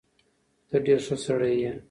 ته ډېر ښه سړی یې.